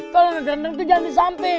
kalau nggak gerendeng tuh jangan di samping